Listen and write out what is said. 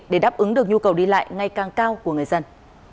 để đáp ứng được nhu cầu đi lại ngày càng cao của người dân